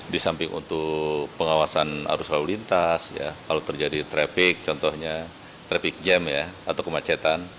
disamping untuk pengawasan arus lalu lintas kalau terjadi traffic contohnya traffic jam atau kemacetan